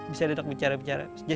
bisa duduk bicara bicara